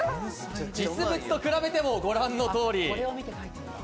実物と比べてもご覧の通り。